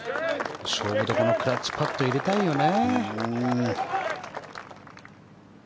勝負どころクラッチパット入れたいよね。